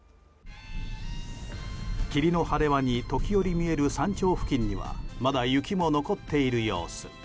霧の晴れ間に時折見える山頂付近にはまだ雪も残っている様子。